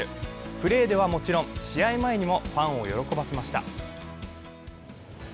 プレーではもちろん、試合前にもファンを喜ばせました。